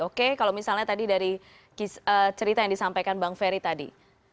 oke kalau misalnya tadi dari cerita yang disampaikan bang ferry tadi